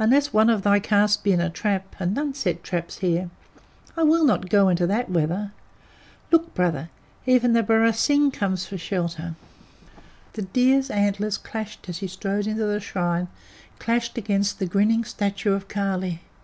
"Unless one of thy caste be in a trap and none set traps here I will not go into that weather. Look, Brother, even the barasingh comes for shelter!" The deer's antlers clashed as he strode into the shrine, clashed against the grinning statue of Kali.